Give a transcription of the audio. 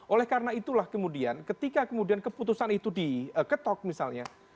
oleh karena itulah kemudian ketika kemudian keputusan itu diketok misalnya